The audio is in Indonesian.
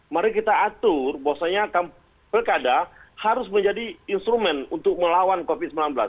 mari kita atur bahwasanya pilkada harus menjadi instrumen untuk melawan covid sembilan belas